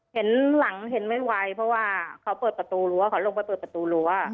เห็นหลังเห็นไม่ไหวเพราะว่าเขาเปิดประตูรั้วเขาลงไปเปิดประตูรั้ว